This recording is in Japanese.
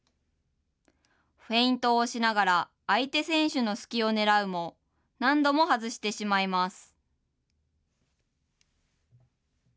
フェイントをしながら、相手選手の隙を狙うも、何度も外してしまいます。